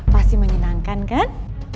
pasti menyenangkan kan